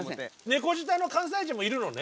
猫舌の関西人もいるのね。